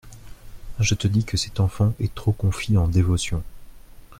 Je te dis que cet enfant est trop confit en dévotion.